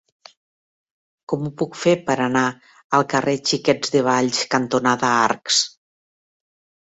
Com ho puc fer per anar al carrer Xiquets de Valls cantonada Arcs?